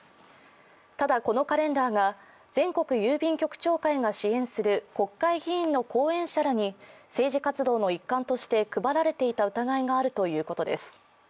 ただ、このカレンダーが全国郵便局長会が支援する国会議員の後援者らに政治活動の一環として配られていた疑いがあるということです。